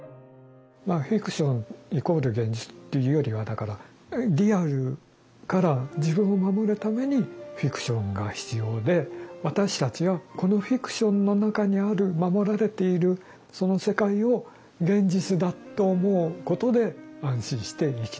まあフィクション＝現実というよりはだからリアルから自分を守るためにフィクションが必要で私たちはこのフィクションの中にある守られているその世界を現実だと思うことで安心して生きていられる。